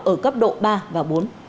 ở cấp độ ba và bốn